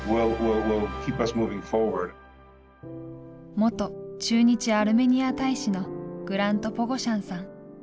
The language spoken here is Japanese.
元駐日アルメニア大使のグラント・ポゴシャンさん。